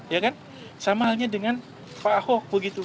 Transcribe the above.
ya kan sama halnya dengan pak ahok begitu